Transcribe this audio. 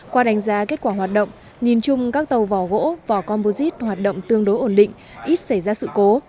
qua đánh giá kết quả hoạt động nhìn chung các tàu vỏ gỗ vỏ composite hoạt động tương đối ổn định ít xảy ra sự cố